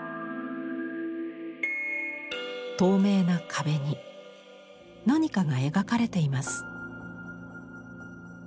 透明な壁に何かが描かれています。